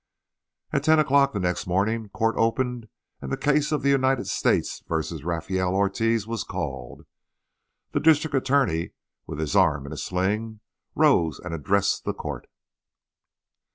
At ten o'clock the next morning court opened, and the case of the United States versus Rafael Ortiz was called. The district attorney, with his arm in a sling, rose and addressed the court.